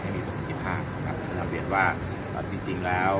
อย่างเดียวว่าจริง